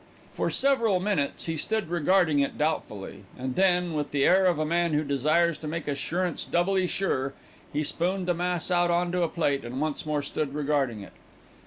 For several minutes he stood regarding it doubtfully, and then, with the air of a man who desires to make assurance doubly sure, he spooned the mass out on to a plate and once more stood regarding it.